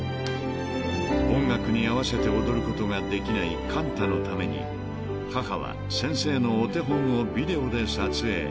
［音楽に合わせて踊ることができない寛太のために母は先生のお手本をビデオで撮影］